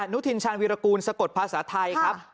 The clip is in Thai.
นุทินชาญวีรกูลสะกดภาษาไทยครับ